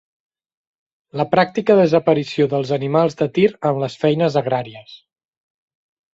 La pràctica desaparició dels animals de tir en les feines agràries.